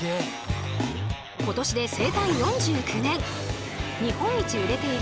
今年で生誕４９年！